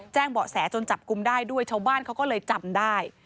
เบาะแสจนจับกลุ่มได้ด้วยชาวบ้านเขาก็เลยจำได้